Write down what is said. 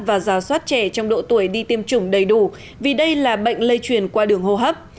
và giả soát trẻ trong độ tuổi đi tiêm chủng đầy đủ vì đây là bệnh lây truyền qua đường hô hấp